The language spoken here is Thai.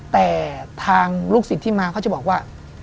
แต่ทางลูกศิษย์ที่มาเขาจะบอกว่า